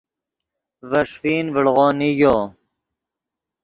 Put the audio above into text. ڤے ݰیفین ڤڑو نیگو